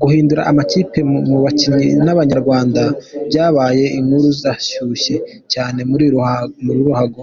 Guhindura amakipe ku bakinnyi b’Abanyarwanda, byabaye inkuru zashyushye cyane muri ruhago.